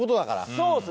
そうですね。